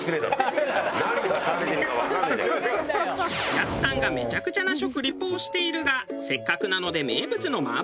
やすさんがめちゃくちゃな食リポをしているがせっかくなので。